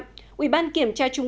ubkt quyết định thi hành kỷ luật